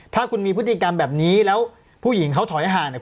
ถ้าคุณมีพฤติกรรมแบบนี้แล้วผู้หญิงเขาถอยห่างเนี่ย